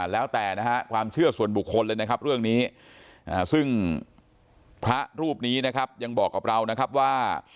แล้วแต่นะฮะความเชื่อส่วนบุคคลเลยนะครับเรื่องนี้ซึ่งพระรูปนี้นะครับยังบอกกับเรานะครับว่า